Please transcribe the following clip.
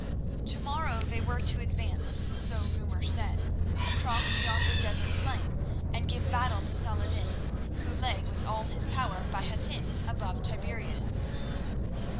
To morrow they were to advance, so rumour said, across yonder desert plain and give battle to Saladin, who lay with all his power by Hattin, above Tiberias.